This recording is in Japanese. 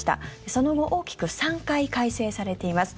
その後、大きく３回改正されています。